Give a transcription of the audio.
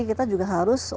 kita juga harus waspada